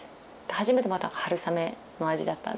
初めてもらった春雨の味だったんですけど。